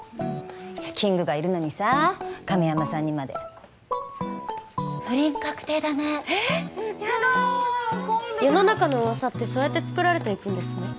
キングがいるのにさー神山さんにまで不倫確定だねえっやだ怖いんだけど世の中の噂ってそうやって作られていくんですね